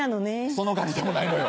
そのガリでもないのよ。